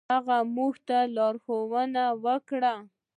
هغه موږ ته لارښوونه وکړه.